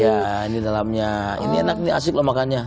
ya ini dalamnya ini enak ini asik loh makannya